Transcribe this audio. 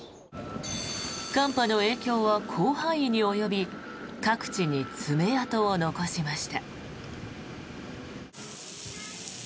寒波の影響は広範囲に及び各地に爪痕を残しました。